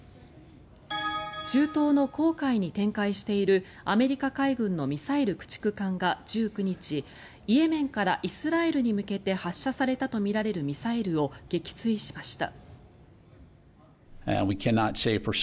中東の紅海に展開しているアメリカ海軍のミサイル駆逐艦が１９日イエメンからイスラエルに向けて発射されたとみられるミサイルを撃墜しました。